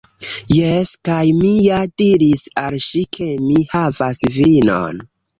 Jes! Kaj mi ja diris al ŝi ke mi havas virinon